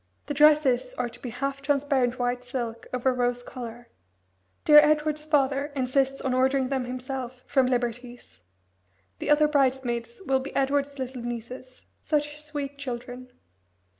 The dresses are to be half transparent white silk over rose colour. Dear Edward's father insists on ordering them himself from Liberty's. The other bridesmaids will be Edward's little nieces such sweet children.